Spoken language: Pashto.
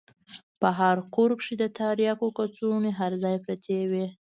په هر کور کښې د ترياکو کڅوړې هر ځاى پرتې وې.